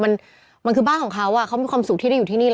ทำงานครบ๒๐ปีได้เงินชดเฉยเลิกจ้างไม่น้อยกว่า๔๐๐วัน